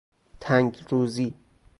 تنگ روزی